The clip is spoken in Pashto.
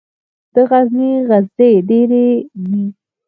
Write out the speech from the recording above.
د غزني غزې ډیرې دي